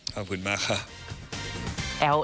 ขอบคุณมากค่ะ